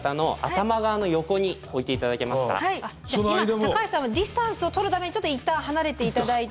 今高橋さんはディスタンスをとるためにちょっといったん離れて頂いて。